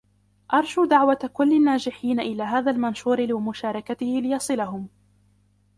ارجو دعوة كل الناجحين الى هذا المنشور و مشاركته ليصلهم.